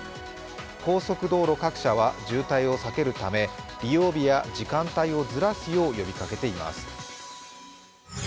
高速道路各社は渋滞を避けるため利用日や時間帯をずらすよう呼びかけています。